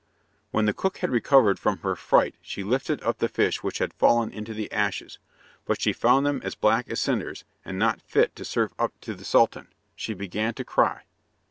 When the cook had recovered from her fright she lifted up the fish which had fallen into the ashes, but she found them as black as cinders, and not fit to serve up to the Sultan. She began to cry.